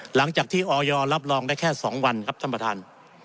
หลังจากที่ออยรับรองได้แค่๒วันครับท่านประธาน